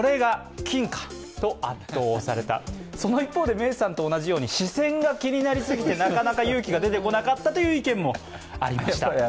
メイさんのように視線が気になりすぎて、なかなか勇気が出てこなかったという意見もありました。